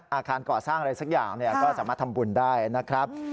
อาคารก่อสร้างอะไรสักอย่างก็สามารถทำบุญได้นะครับ